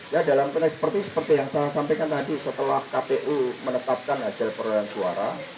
ya dalam konteks seperti yang saya sampaikan tadi setelah kpu menetapkan hasil perolehan suara